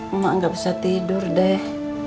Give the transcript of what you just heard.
mama gak bisa tidur deh